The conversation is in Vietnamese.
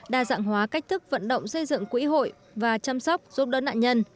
đa dạng hóa cách thức vận động xây dựng quỹ hội và chăm sóc giúp đỡ nạn nhân